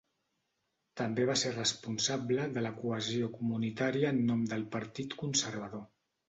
També va ser responsable de la cohesió comunitària en nom del Partit Conservador.